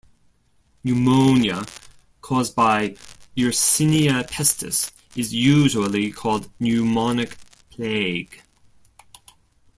Pneumonia caused by "Yersinia pestis" is usually called pneumonic plague.